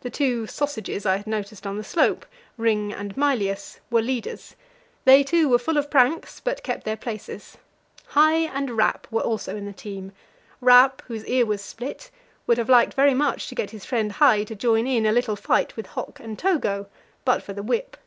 The two sausages I had noticed on the slope Ring and Mylius were leaders; they, too, were full of pranks, but kept their places. Hai and Rap were also in the team. Rap, whose ear was split, would have liked very much to get his friend Hai to join in a little fight with Hok and Togo, but for the whip.